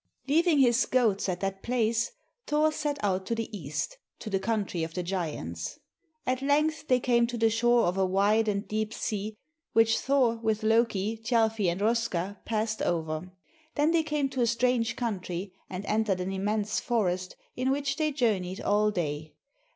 Leaving his goats at that place, Thor set out to the east, to the country of the giants. At length they came to the shore of a wide and deep sea which Thor, with Loki, Thjalfi, and Röska passed over. Then they came to a strange country, and entered an immense forest in which they journeyed all day.